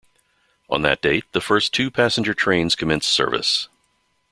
On that date, the first two-passenger trains commenced service.